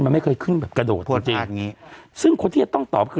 มันไม่เคยขึ้นแบบกระโดดจริงจริงอย่างงี้ซึ่งคนที่จะต้องตอบคือ